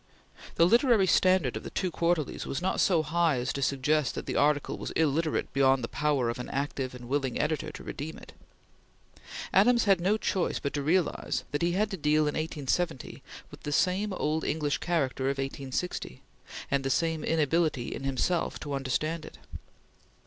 The literary standard of the two Quarterlies was not so high as to suggest that the article was illiterate beyond the power of an active and willing editor to redeem it. Adams had no choice but to realize that he had to deal in 1870 with the same old English character of 1860, and the same inability in himself to understand it.